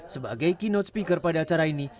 sebagai keynote speaker pada acara ini